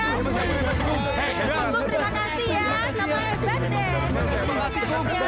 bung terima kasih ya